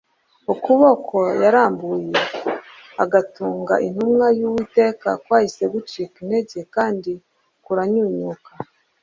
Ukuboko yarambuye agutunga intumwa yUwiteka kwahise gucika intege kandi kuranyunyuka